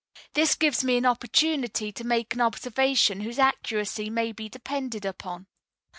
"This gives me an opportunity to make an observation whose accuracy may be depended upon.